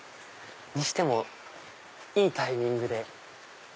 にしてもいいタイミングで。